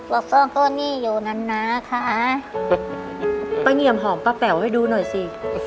ฟ้องก็นี่อยู่นั้นนะคะป้าเงี่ยมหอมป้าแป๋วให้ดูหน่อยสิ